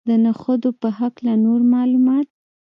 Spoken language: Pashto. د نخودو په هکله نور معلومات.